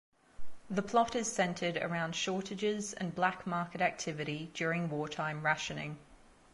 The plot is centred around shortages and black market activity during wartime rationing.